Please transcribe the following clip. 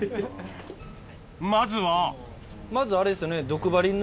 まずはまずあれですよね。